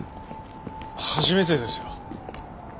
初めてですよ。